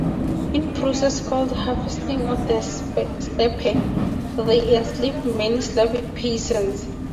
In a process called the "harvesting of the steppe", they enslaved many Slavic peasants.